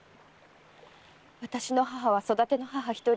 私の母は育ての母一人。